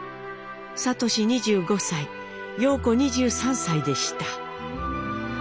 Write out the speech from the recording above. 智２５歳様子２３歳でした。